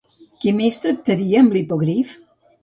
Qui més tractaria amb l'hipogrif?